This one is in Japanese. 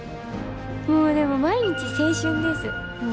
もうでも毎日青春です。